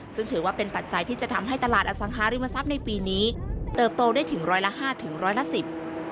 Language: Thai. ซึ่งถือว่าเป็นปัจจัยที่จะทำให้ตลาดอสังหาริมทรัพย์ในปีนี้เติบโตได้ถึงร้อยละห้าถึงร้อยละสิบ